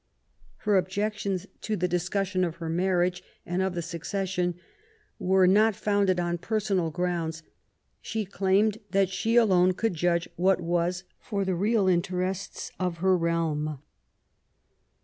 Her objections to the discussion of her marriage and of the succession were not founded on personal grounds. She claimed that she alone could judge what was for the real interests of her realm.